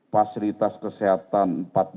fasilitas kesehatan empat belas